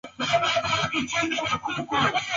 Wacha nikupende mpenzi